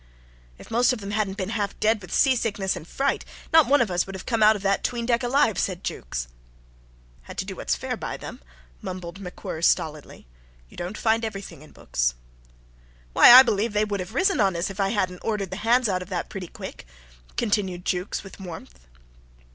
"If most of them hadn't been half dead with seasickness and fright, not one of us would have come out of that 'tween deck alive," said Jukes. "Had to do what's fair by them," mumbled MacWhirr, stolidly. "You don't find everything in books." "Why, I believe they would have risen on us if I hadn't ordered the hands out of that pretty quick," continued Jukes with warmth.